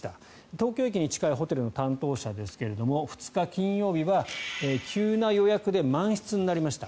東京駅に近いホテルの担当者ですが２日、金曜日は急な予約で満室になりました。